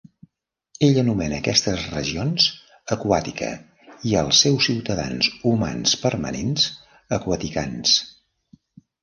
Ell anomena aquestes regions "Aquàtica" i els seus ciutadans humans permanents "Aquaticans".